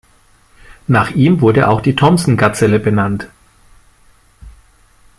Nach ihm wurde auch die Thomson-Gazelle benannt.